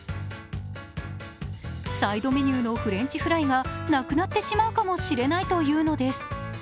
サイドメニューのフレンチフライがなくなってしまうかもしれないというのです。